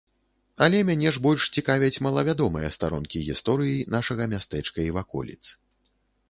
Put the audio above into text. Але мяне ж больш цікавяць малавядомыя старонкі гісторыі нашага мястэчка і ваколіц.